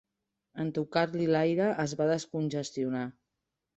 En tocar-li l'aire es va descongestionar.